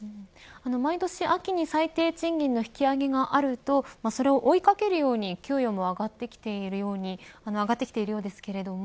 毎年秋に最低賃金の引き上げがあるとそれを追い掛けるように給与も上がってきているようですけれども。